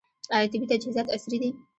آیا طبي تجهیزات عصري دي؟